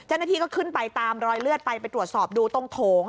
เจ้าหน้าที่ก็ขึ้นไปตามรอยเลือดไปไปตรวจสอบดูตรงโถง